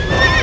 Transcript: ni aku dia